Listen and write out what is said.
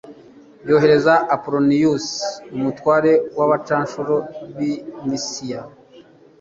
yohereza apoloniyusi, umutware w'abacancuro b'i misiya